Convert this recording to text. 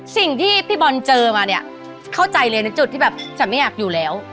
สิ่งที่พี่บอลเจอมาเนี่ยเข้าใจเลยในจุดที่แบบฉันไม่อยากอยู่แล้ว